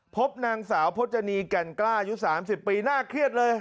พบนางสาวพจนีแก่นกล้าอายุ๓๐ปีน่าเครียดเลย